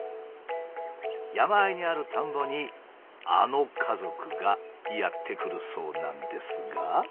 山あいにある田んぼにあの家族がやって来るそうなんですが。